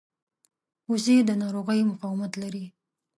وزې د ناروغیو مقاومت لري